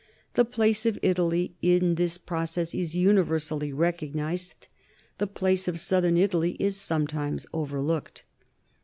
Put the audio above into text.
The place of Italy in this process is universally recognized ; the place of southern Italy is sometimes overlooked.